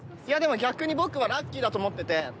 逆にラッキーだと思ってて。